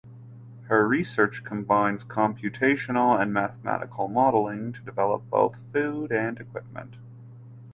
Her research combines computational and mathematical modelling to develop both food and equipment.